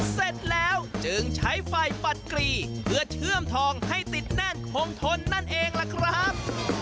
เสร็จแล้วจึงใช้ไฟปัดกรีเพื่อเชื่อมทองให้ติดแน่นคงทนนั่นเองล่ะครับ